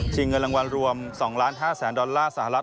ชิงเงินรางวัลรวม๒๕ล้านดอลลาร์สหรัฐ